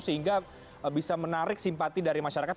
sehingga bisa menarik simpati dari masyarakat